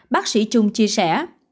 bác sĩ trung chia sẻ